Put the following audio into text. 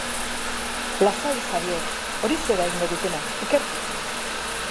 Lasai, Xabier, horixe da egingo dutena, ikertu.